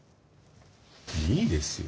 いいですよ。